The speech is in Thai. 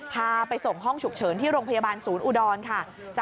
พาไปส่งห้องฉุกเฉินที่โรงพยาบาลศูนย์อุดรค่ะ